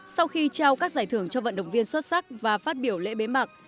sau khi trao các giải thưởng cho vận động viên xuất sắc và phát biểu lễ bế mạc